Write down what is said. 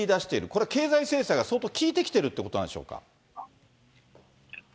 これは経済制裁が相当効いてきているということなんでしょうか。